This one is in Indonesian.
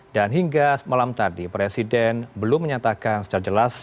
dan hingga malam tadi presiden belum menyatakan secara jelas